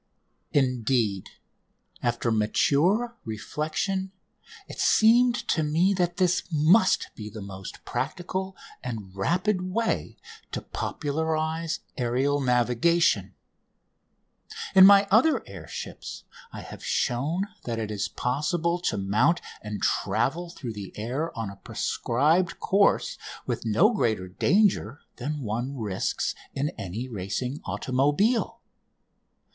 10" rising] [Illustration: "No. 10" WITHOUT PASSENGER KEEL] Indeed, after mature reflection, it seemed to me that this must be the most practical and rapid way to popularise aerial navigation. In my other air ships I have shown that it is possible to mount and travel through the air on a prescribed course with no greater danger than one risks in any racing automobile.